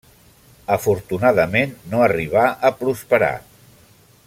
Afortunadament no arribà a prosperar.